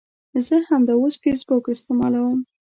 زه همداوس فیسبوک استعمالوم